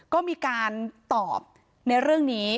ก็มีการตอบในเรื่องนี้